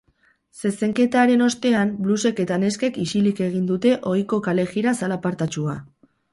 Zezenketaren ostean, blusek eta neskek isilik egin dute ohiko kale-jira zalapartatsua.